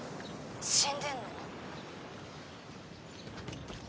「死んでんの？」